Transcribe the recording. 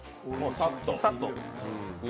さっと。